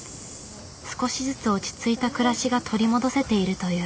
少しずつ落ち着いた暮らしが取り戻せているという。